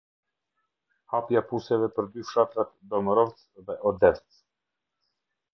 Hapja puseve për dy fshatra domorovc dhe odevc